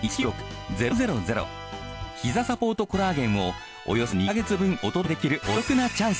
ひざサポートコラーゲンをおよそ２ヵ月分お届けできるお得なチャンス。